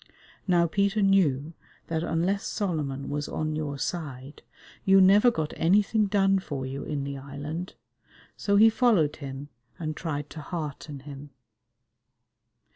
Now Peter knew that unless Solomon was on your side, you never got anything done for you in the island, so he followed him and tried to hearten him.